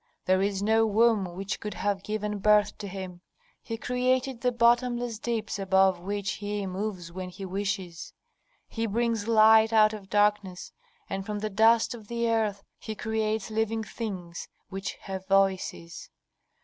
there is no womb which could have given birth to Him. He created the bottomless deeps above which He moves when He wishes. He brings light out of darkness, and from the dust of the earth He creates living things which have voices.